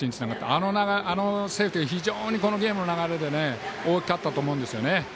あのセーフティー非常に、このゲームの流れで大きかったと思うんですね。